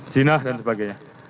jenah dan sebagainya